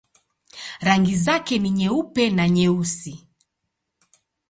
Rangi zake ni nyeupe na nyeusi.